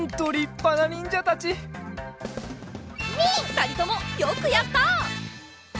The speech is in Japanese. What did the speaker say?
ふたりともよくやった！